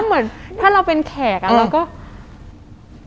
คุณลุงกับคุณป้าสองคนนี้เป็นใคร